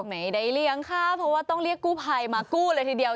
ไม่ได้เลี้ยงค่ะเพราะว่าต้องเรียกกู้ภัยมากู้เลยทีเดียว